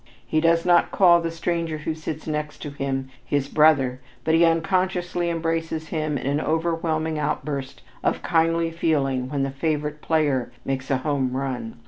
He does not call the stranger who sits next to him his "brother" but he unconsciously embraces him in an overwhelming outburst of kindly feeling when the favorite player makes a home run.